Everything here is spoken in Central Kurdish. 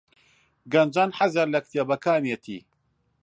گەنجان حەزیان لە کتێبەکانیەتی.